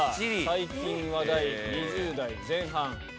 最近話題２０代前半。